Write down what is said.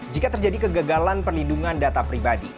jika terjadi kegagalan perlindungan data pribadi